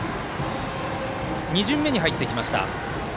２巡目に入ってきました。